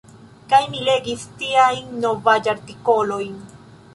Kaj mi legis tiajn novaĵ-artikolojn.